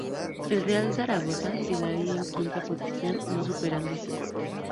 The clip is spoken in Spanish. El Real Zaragoza quedaría en quinta posición, no superando este corte.